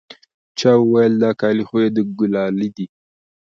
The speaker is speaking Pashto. چا وويل دا كالي خو يې د ګلالي دي.